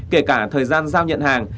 kể cả thời gian giao nhận hàng